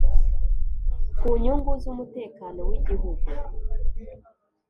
ku nyungu z umutekano w Igihugu